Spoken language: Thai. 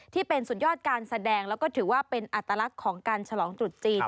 ที่เป็นสุดยอดการแสดงแล้วก็ถือว่าเป็นอัตลักษณ์ของการฉลองตรุษจีน